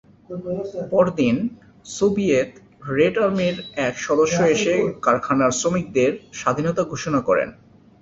পরদিন Soviet Red আর্মির এক সদস্য এসে কারখানার শ্রমিকদের স্বাধীনতা ঘোষণা করেন।